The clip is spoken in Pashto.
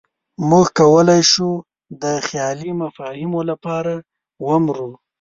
موږ کولی شو د خیالي مفاهیمو لپاره ومرو.